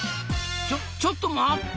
ちょちょっと待った！